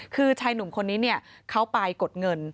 คือชายหนุ่มคนนี้เขาไปกดเงิน